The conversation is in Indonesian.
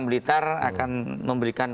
blitar akan memberikan